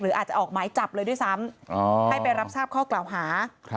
อาจจะออกหมายจับเลยด้วยซ้ำให้ไปรับทราบข้อกล่าวหา